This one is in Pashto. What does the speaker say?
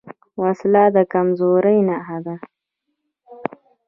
وسله د کمزورۍ نښه ده